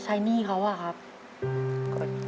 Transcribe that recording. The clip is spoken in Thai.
หนี้เขาอะครับ